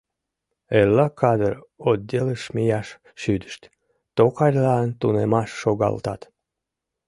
— Эрла кадр отделыш мияш шӱдышт, токарьлан тунемаш шогалтат.